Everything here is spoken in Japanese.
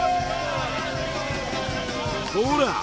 ほら！